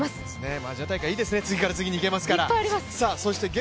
アジア大会いいですね、次から次へといけますから。